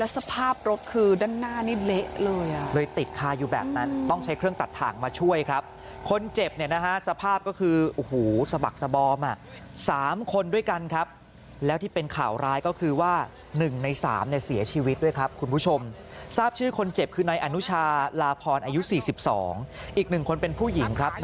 สภาพแต่ละคนก็คือเลือดโชคไปหมดเลย